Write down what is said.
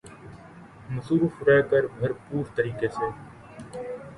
مصروف رہ کر بھرپور طریقے سے